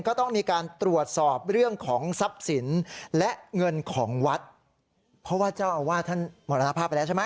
ก็ต้องมีการตรวจสอบเรื่องของทรัพย์สินและเงินของวัดเพราะว่าเจ้าอาวาสท่านมรณภาพไปแล้วใช่ไหม